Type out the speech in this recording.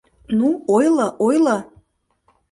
— Ну ойло, ойло!